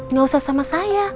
gak usah sama saya